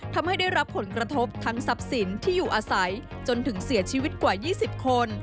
ทำให้ได้รับผลกระทบทั้งทรัพย์สินที่อยู่อาศัยจนถึงเสียชีวิตกว่า๒๐คน